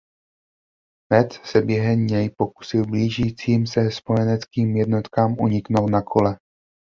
Metz se během něj pokusil blížícím se spojeneckým jednotkám uniknout na kole.